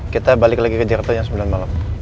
kita balik lagi ke jakarta jam sembilan malam